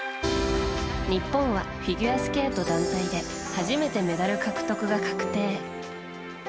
日本はフィギュアスケート団体で初めてメダル獲得が確定。